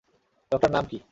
লোকটার নাম কি?